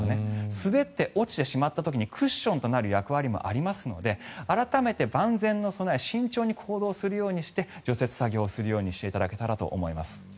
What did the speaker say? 滑って落ちてしまった時にクッションとなる役割もありますので改めて万全の備え慎重に行動するようにして除雪作業をするようにしていただけたらと思います。